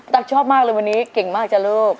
ชอบมากเลยวันนี้เก่งมากจ้ะลูก